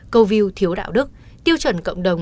câu view thiếu đạo đức tiêu chuẩn cộng đồng